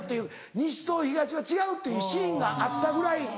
西と東は違うというシーンがあったぐらい。